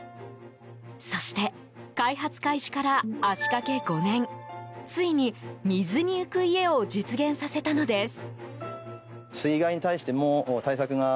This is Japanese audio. そして開発開始から足掛け５年ついに、水に浮く家を実現させたのです。